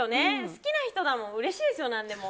好きな人だもんうれしいですよ、何でも。